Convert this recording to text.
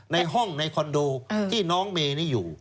ในห้องในคอนโดที่น้องเมนี่อยู่